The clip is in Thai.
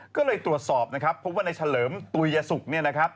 ก็เลยตรวจสอบเพราะว่าในเฉลิมตุยสุก